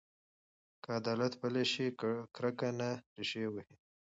که عدالت پلی شي، کرکه نه ریښې وهي.